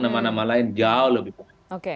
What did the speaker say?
nama nama lain jauh lebih baik